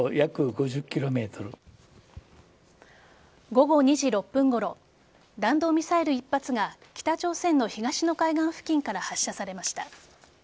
午後２時６分ごろ弾道ミサイル１発が北朝鮮の東の海岸付近から発射されました。